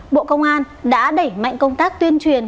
bộ công an đã đẩy mạnh công tác tuyên truyền